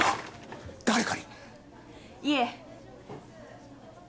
いえ。